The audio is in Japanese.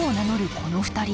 この２人。